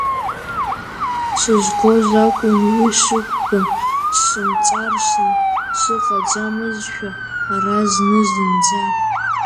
Сызгоз акәын уи сықәган, сымҵарсны, сыҟаӡамызшәа ара зны зынӡа.